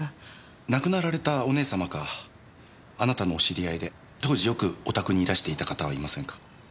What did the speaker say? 亡くなられたお姉さまかあなたのお知り合いで当時よくお宅にいらしていた方はいませんか？